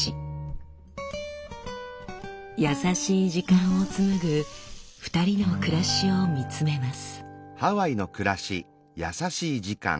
優しい時間を紡ぐ２人の暮らしを見つめます。